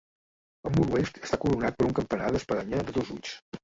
El mur oest està coronat per un campanar d'espadanya de dos ulls.